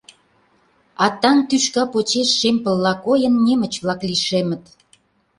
А танк тӱшка почеш, шем пылла койын, немыч-влак лишемыт.